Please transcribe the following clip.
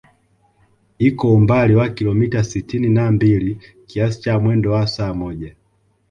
Iko umbali wa kilomita sitini na mbili kiasi cha mwendo wa saa moja